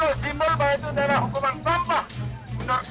sebagai betul simbol bahwa itu adalah hukuman sampah